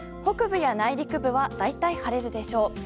北部や内陸部は大体、晴れるでしょう。